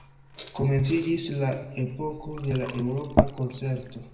Komenciĝis la epoko de la Eŭropa Koncerto.